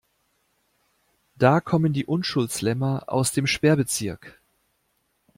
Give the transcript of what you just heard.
Da kommen die Unschuldslämmer aus dem Sperrbezirk.